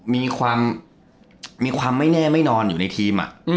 มีความไม่แน่ไม่นอนอยู่ในทีม